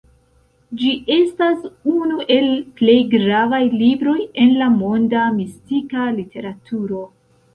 Ĝi estas unu el plej gravaj libroj en la monda mistika literaturo.